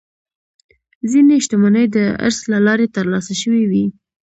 ځینې شتمنۍ د ارث له لارې ترلاسه شوې وي.